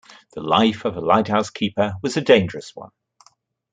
The life of a lighthouse keeper was a dangerous one.